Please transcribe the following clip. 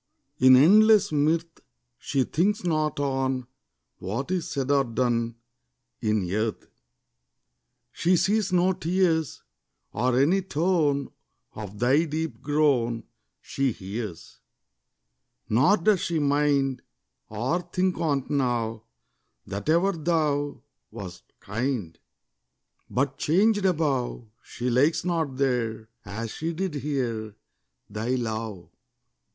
In endless mirth, She thinks not on What's said or done In earth: She sees no tears, Or any tone Of thy deep groan She hears; Nor does she mind, Or think on't now, That ever thou Wast kind: But changed above, She likes not there, As she did here, Thy love.